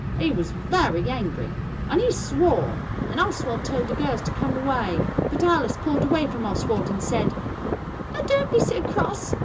He was very angry, and he swore, and Oswald told the girls to come away; but Alice pulled away from Oswald and said, "Oh, don't be so cross.